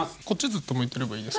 ずっと向いてればいい？